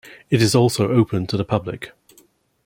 It is also open to the public.